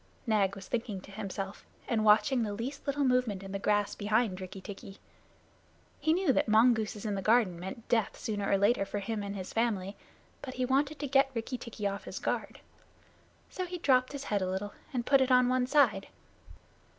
Nag was thinking to himself, and watching the least little movement in the grass behind Rikki tikki. He knew that mongooses in the garden meant death sooner or later for him and his family, but he wanted to get Rikki tikki off his guard. So he dropped his head a little, and put it on one side.